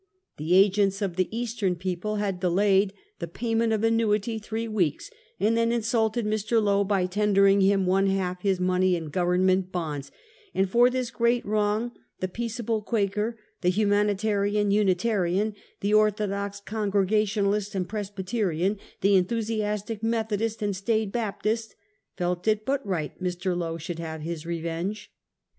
The agents of the Eastern people had delayed the payment of annuity three weeks, and then insulted Mr. Lo by tendering him one half his money in government bonds, and for this great wrong the peaceable Quaker, the humanitarian Unitarian, the orthodox Congrega tionalist and Presbyterian, the enthusiastic Methodist and staid Baptist, felt it but right Mr. Lo should have his revenge.